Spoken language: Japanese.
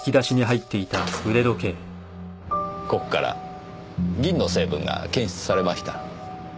ここから銀の成分が検出されました。